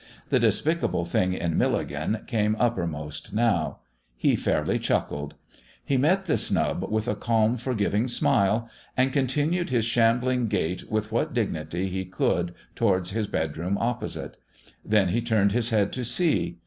The despicable thing in Milligan came uppermost now. He fairly chuckled. He met the snub with a calm, forgiving smile, and continued his shambling gait with what dignity he could towards his bedroom opposite. Then he turned his head to see.